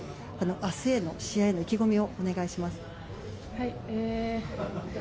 明日への試合への意気込みをお願いします。